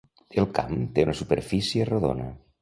El camp té una superfície rodona.